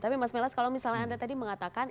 tapi mas melas kalau misalnya anda tadi mengatakan